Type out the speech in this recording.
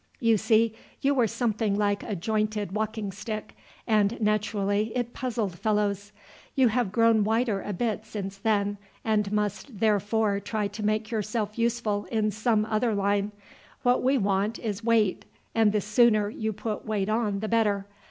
You see, you were something like a jointed walking stick, and, naturally, it puzzled fellows. You have grown wider a bit since then, and must therefore try to make yourself useful in some other line. What we want is weight, and the sooner you put weight on the better.